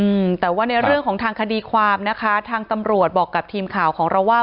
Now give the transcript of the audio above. อืมแต่ว่าในเรื่องของทางคดีความนะคะทางตำรวจบอกกับทีมข่าวของเราว่า